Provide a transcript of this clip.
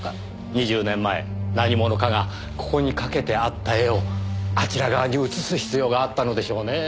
２０年前何者かがここに掛けてあった絵をあちら側に移す必要があったのでしょうねぇ。